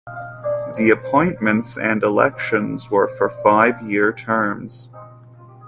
The appointments and elections were for five year terms.